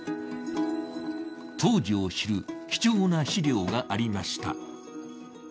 当時を知る貴重な資料がありました。